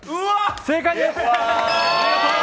正解です。